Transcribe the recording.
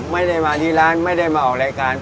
ไม่ได้มาที่ร้านไม่ได้มาออกรายการ